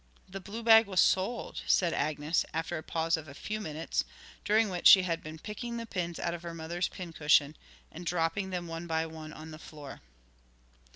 'The blue bag was sold,' said Agnes, after a pause of a few minutes, during which she had been picking the pins out of her mother's pincushion and dropping them one by one on the floor.